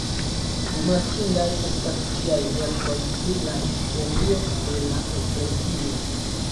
Rimarkindaj estas ĝiaj verkoj pri la historio de la Eklezio.